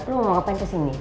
lu mau ngapain kesini